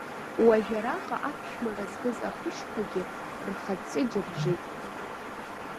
Уажә араҟа аԥшәмара зкыз ахышқәагьы рхатә ҵеџь ржит.